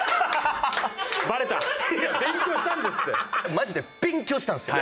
マジで勉強したんですよ！